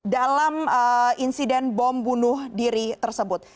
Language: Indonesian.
dalam insiden bom bunuh diri tersebut